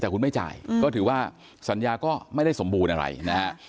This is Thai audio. แต่คุณไม่จ่ายก็ถือว่าสัญญาก็ไม่ได้สมบูรณ์อะไรนะฮะ